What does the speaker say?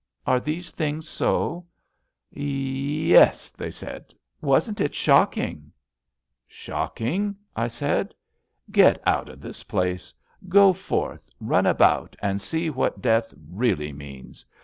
Are these things so? ''Ye es,'' said they. Wasn't it shocking? "ShocMng? " I said. Get out of this place. Go forth, run about and see what death really means.